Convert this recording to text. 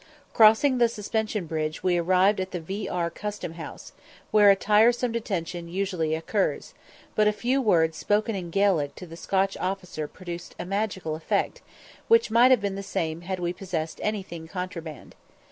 Crossing the suspension bridge we arrived at the V. R. custom house, where a tiresome detention usually occurs; but a few words spoken in Gaelic to the Scotch officer produced a magical effect, which might have been the same had we possessed anything contraband.